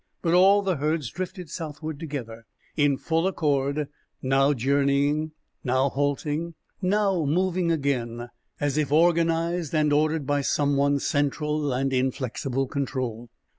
But all the herds drifted southward together in full accord, now journeying, now halting, now moving again, as if organized and ordered by some one central and inflexible control.